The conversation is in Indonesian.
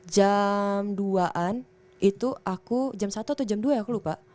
jam dua an itu aku jam satu atau jam dua ya aku lupa